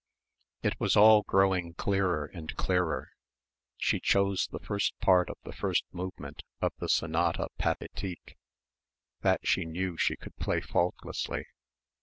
It was all growing clearer and clearer.... She chose the first part of the first movement of the Sonata Pathétique. That she knew she could play faultlessly.